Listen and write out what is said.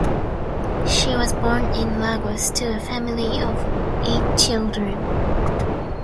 She was born in Lagos to a family of eight children.